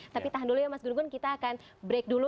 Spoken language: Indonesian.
tapi tahan dulu ya mas gun gun kita akan break dulu